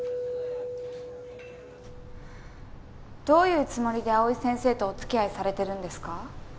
どういうつもりで蒼井先生とお付き合いされてるんですか？